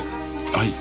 はい？